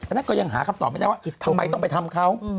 นั่นก็ยังหาคำตอบไม่ได้ว่าทำไมต้องไปทำเขา